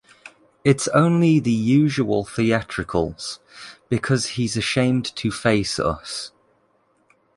It's only the usual theatricals, because he's ashamed to face us.